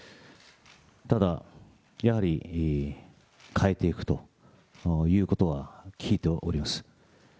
ただ、やはり変えていくということは聞いております。